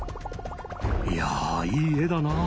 いやいい絵だなぁ。